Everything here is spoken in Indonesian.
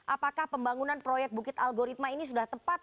apakah pembangunan proyek bukit algoritma ini sudah tepat